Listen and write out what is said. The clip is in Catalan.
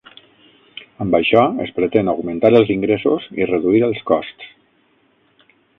Amb això es pretén augmentar els ingressos i reduir els costs.